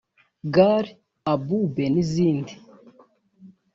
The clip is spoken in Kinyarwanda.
Gal A Bubble n’izindi